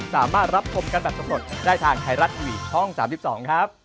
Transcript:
สามารถรับชมกันแบบสำรวจได้ทางไทยรัฐทีวีช่อง๓๒ครับ